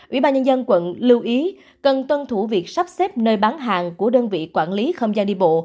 ủy ban nhân dân quận lưu ý cần tuân thủ việc sắp xếp nơi bán hàng của đơn vị quản lý không gian đi bộ